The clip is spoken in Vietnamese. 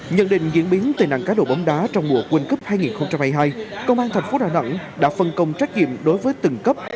nhận định diễn biến tệ nạn cá độ bóng đá trong mùa quân cấp hai nghìn hai mươi hai công an thành phố đà nẵng đã phân công trách nhiệm đối với từng cấp